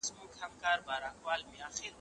ویل خلاص مي کړې له غمه انعام څه دی